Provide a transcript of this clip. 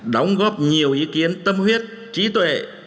đóng góp nhiều ý kiến tâm huyết trí tuệ